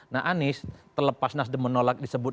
nah anies terlepas nasdem menolak disebut